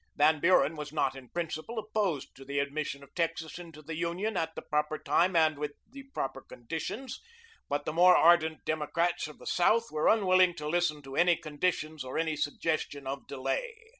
Van Buren was not in principle opposed to the admission of Texas into the Union at the proper time and with the proper conditions, but the more ardent Democrats of the South were unwilling to listen to any conditions or any suggestion of delay.